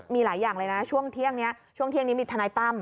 มีหลายอย่างเลยนะช่วงเที่ยงนี้ช่วงเที่ยงนี้มีทนายตั้ม